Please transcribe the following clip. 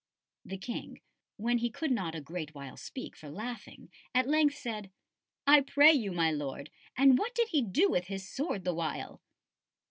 The King, when he could not a great while speak for laughing, at length said: "I pray you, my Lord, and what did he do with his sword the while?"